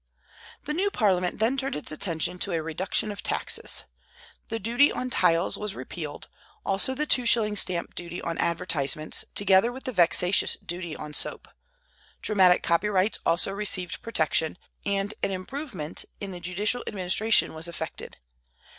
The new Parliament then turned its attention to a reduction of taxes. The duty on tiles was repealed; also the two shilling stamp duty on advertisements, together with the vexatious duty on soap. Dramatic copyrights also received protection, and an improvement in the judicial administration was effected.